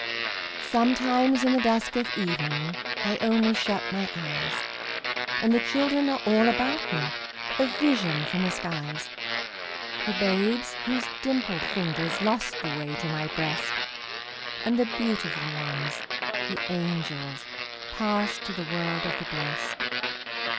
Sometimes, in the dusk of evening, I only shut my eyes, And the children are all about me, A vision from the skies: The babes whose dimpled fingers Lost the way to my breast, And the beautiful ones, the angels, Passed to the world of the blest.